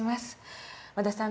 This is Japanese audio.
和田さん